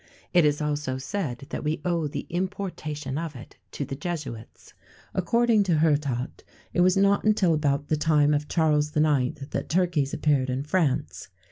It is also said that we owe the importation of it to the Jesuits. According to Hurtaut, it was not until about the time of Charles IX. that turkeys appeared in France.